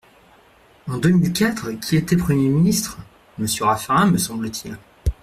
En deux mille quatre, qui était Premier ministre ? Monsieur Raffarin, me semble-t-il.